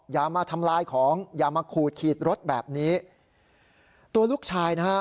อย่ามาทำลายของอย่ามาขูดขีดรถแบบนี้ตัวลูกชายนะฮะ